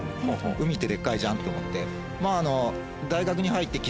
海ってでっかいじゃんって思って。